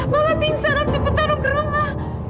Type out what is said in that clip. mama pingsan om cepetan ke rumah